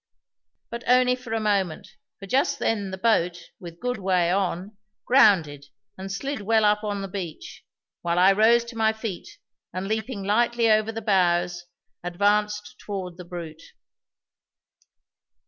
But only for a moment, for just then the boat, with good way on, grounded and slid well up on the beach, while I rose to my feet and, leaping lightly over the bows, advanced toward the brute.